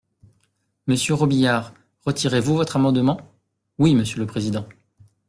Monsieur Robiliard, retirez-vous votre amendement ? Oui, monsieur le président.